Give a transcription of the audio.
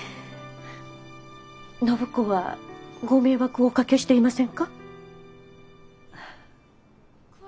暢子はご迷惑をおかけしていませんか？